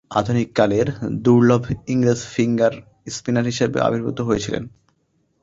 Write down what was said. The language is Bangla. আধুনিককালের দুর্লভ ইংরেজ ফিঙ্গার স্পিনার হিসেবে আবির্ভূত হয়েছিলেন।